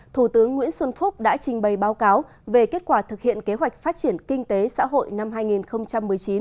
thủ tướng nguyễn xuân phúc đã trình bày báo cáo về kết quả thực hiện kế hoạch phát triển kinh tế xã hội năm hai nghìn một mươi chín